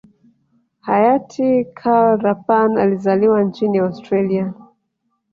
hayati Karl Rapan alizaliwa nchini Australia